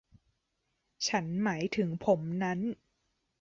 ฉันหมายถึงผมนั้น